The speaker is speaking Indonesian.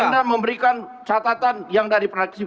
anda memberikan catatan yang dari fraksi pks